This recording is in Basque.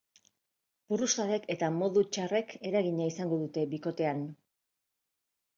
Purrustadek eta modu txarrek eragina izango dute bikotean.